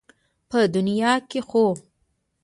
په دنيا کې خو